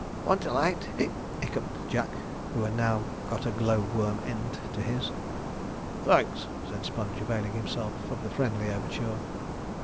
'Want a light!' hiccuped Jack, who had now got a glow worm end to his. 'Thanks,' said Sponge, availing himself of the friendly overture.